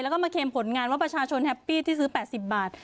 แล้วก็มาเค็มผลงานว่าประชาชนแฮปปี้ที่ซื้อ๘๐บาท